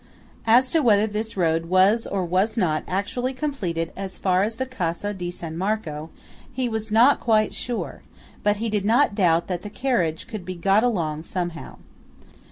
As to whether this road was or was not actually completed as far as the Casa di San Marco, he was not quite sure; but he did not doubt that the carriage could be got along "somehow."